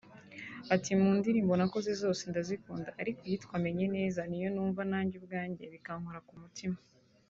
Ati “Mu ndirimbo nakoze zose ndazikunda ariko iyitwa ‘Menye Neza’ niyo numva nanjye ubwanjye bikankora ku mutima